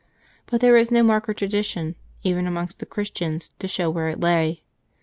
But there was no mark or tradition, even amongst the Christians, to show where it lay.